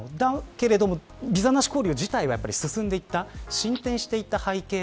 だけど、ビザなし交流自体は進んでいった、進展していった背景